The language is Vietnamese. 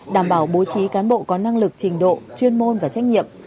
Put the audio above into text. đảm bảo bố trí cán bộ có năng lực trình độ chuyên môn và trách nhiệm